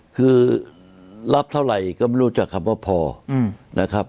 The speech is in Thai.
คือระภเท่าไหร่ก็ไม่รู้จักคำว่าพอ